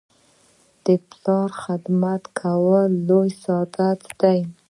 د پلار خدمت کول لوی سعادت دی.